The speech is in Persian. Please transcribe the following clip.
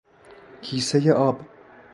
کیسه آب